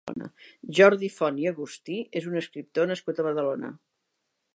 Jordi Font i Agustí és un escriptor nascut a Badalona.